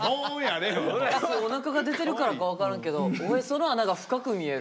おなかが出てるからか分からんけどおへその穴が深く見える。